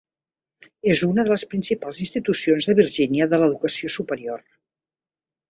És una de les principals institucions de Virgínia de l'educació superior.